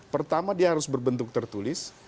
pertama dia harus berbentuk tertulis